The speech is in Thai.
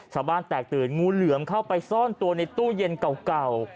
ชาวบ้านแตกตื่นงูเหลือมเข้าไปซ่อนตัวในตู้เย็นเก่า